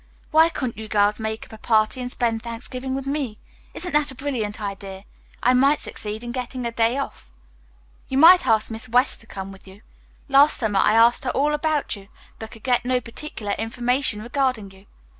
Why couldn't you girls make up a party and spend Thanksgiving with me? Isn't that a brilliant idea? I might succeed in getting a day off. "You might ask Miss West to come with you. Last summer I asked her all about you but could get no particular information regarding you.